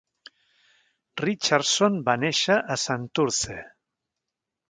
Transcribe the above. Richardson va néixer a Santurce.